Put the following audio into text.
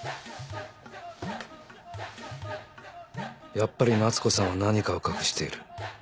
やっぱり夏子さんは何かを隠している。